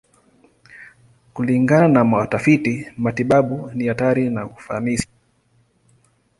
Kulingana na watafiti matibabu, ni hatari na ufanisi.